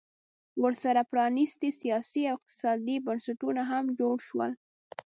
ورسره پرانیستي سیاسي او اقتصادي بنسټونه هم جوړ شول